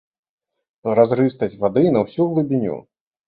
Празрыстасць вады на ўсю глыбіню.